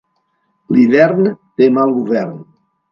L'hivern té mal govern.